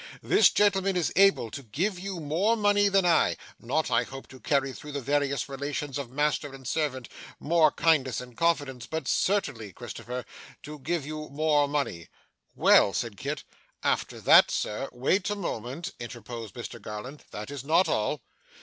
This gentleman is able to give you more money than I not, I hope, to carry through the various relations of master and servant, more kindness and confidence, but certainly, Christopher, to give you more money.' 'Well,' said Kit, 'after that, Sir ' 'Wait a moment,' interposed Mr Garland. 'That is not all.